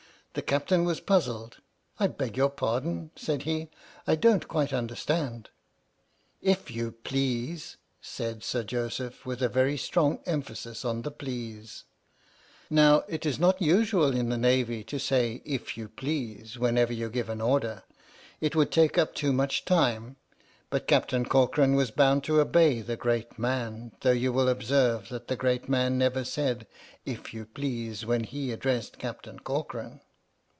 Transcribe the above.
The Captain was puzzled. "I beg your pardon," said he, "I don't quite understand. "If you please" said Sir Joseph, with a very strong emphasis on the " please." 47 H.M.S. "PINAFORE" Now it is not usual in the Navy to say " if you please " whenever you give an order. It would take up too much time. But Captain Corcoran was bound to obey the great man, though you will observe that the great man never said " if you please " when he addressed Captain Corcoran.